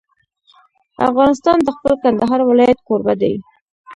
افغانستان د خپل کندهار ولایت کوربه دی.